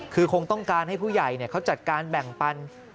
คือคงต้องการให้ผู้ใหญ่เขาจัดการแบ่งปัน